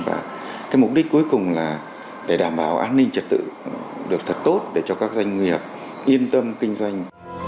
và cái mục đích cuối cùng là để đảm bảo an ninh trật tự được thật tốt để cho các doanh nghiệp yên tâm kinh doanh